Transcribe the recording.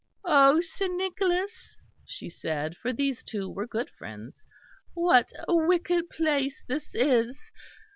"O Sir Nicholas," she said, for these two were good friends, "what a wicked place this is!